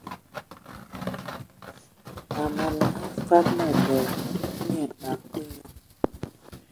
A mana hm fad mǝbǝl, nnye a akǝ nyɔ.